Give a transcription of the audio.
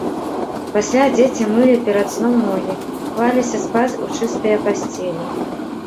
Пасля дзеці мылі перад сном ногі, клаліся спаць у чыстыя пасцелі.